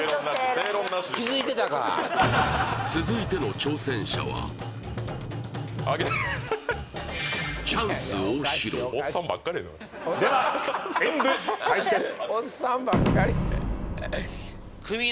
正論だし続いての挑戦者はでは演武開始です